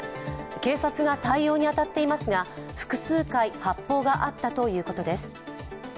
警察が対応に当たっていますが複数回、発砲があったということです。